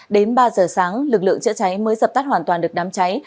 đến ba giờ sáng lực lượng chữa cháy mới dập tắt hoàn toàn được đám cháy